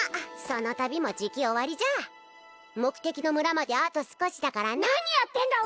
その旅もじき終わりじゃ目的の村まであと少しだからな何やってんだ！